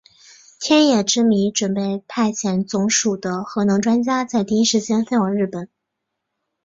天野之弥准备派遣总署的核能专家在第一时间飞往日本。